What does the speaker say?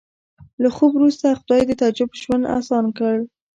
له خوب وروسته خدای د تعجب ژوند اسان کړ